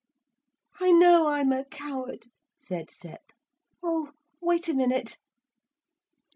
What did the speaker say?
'I know I'm a coward,' said Sep. 'Oh, wait a minute.'